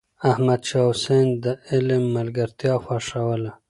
احمد شاه حسين د علم ملګرتيا خوښوله.